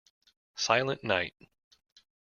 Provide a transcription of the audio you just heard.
Silent Night.